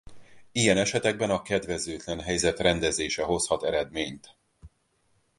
Ilyen esetekben a kedvezőtlen helyzet rendezése hozhat eredményt.